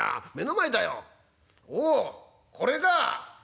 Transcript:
「おおこれか。